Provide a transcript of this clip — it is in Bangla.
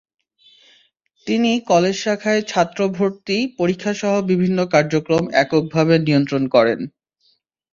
তিনি কলেজ শাখায় ছাত্র ভর্তি, পরীক্ষাসহ বিভিন্ন কার্যক্রম এককভাবে নিয়ন্ত্রণ করেন।